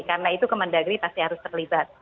karena itu kemendagri pasti harus terlibat